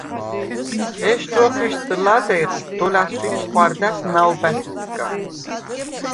ეშდუ̂ოხუ̂იშდ ლადეღს დოლა̈სუ̂იფს ხუ̂არდა̈ს ნაუბა̈ხისგა.